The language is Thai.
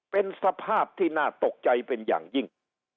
เป็นสภาพที่น่าตกใจเป็นอย่างยิ่ง